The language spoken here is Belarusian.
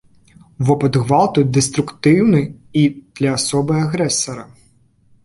Вопыт гвалту дэструктыўны і для асобы агрэсара.